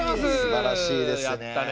すばらしいですね。